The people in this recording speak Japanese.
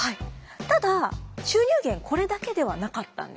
ただ収入源これだけではなかったんですね。